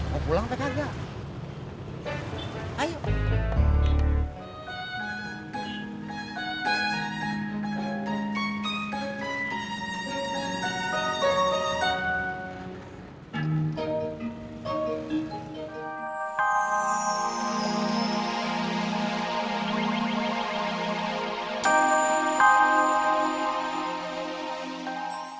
mau pulang pak kajak